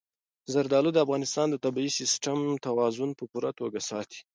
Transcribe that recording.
زردالو د افغانستان د طبعي سیسټم توازن په پوره توګه ساتي.